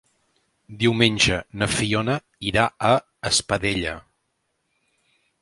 Diumenge na Fiona irà a Espadella.